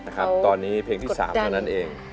อ่ะครับตอนนี้เพลงที่๓เพลงเท่านั้นเอง